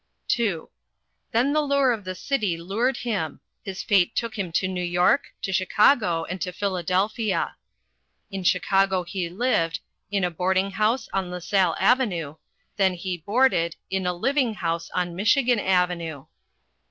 (II) Then the lure of the city lured him. His fate took him to New York, to Chicago, and to Philadelphia. In Chicago he lived, in a boarding house on Lasalle Avenue, then he boarded in a living house on Michigan Avenue.